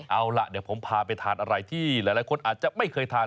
เอาล่ะเดี๋ยวผมพาไปทานอะไรที่หลายคนอาจจะไม่เคยทาน